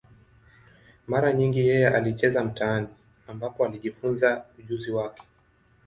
Mara nyingi yeye alicheza mitaani, ambapo alijifunza ujuzi wake.